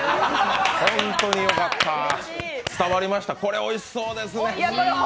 本当によかった、伝わりました、これおいしそうですね。